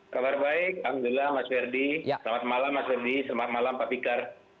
kabar baik alhamdulillah mas ferdi selamat malam mas ferdi selamat malam pak fikar